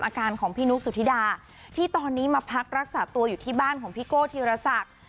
อาการของพี่นุ๊กสุธิดาที่ตอนนี้มาพักรักษาตัวอยู่ที่บ้านของพี่โก้ธีรศักดิ์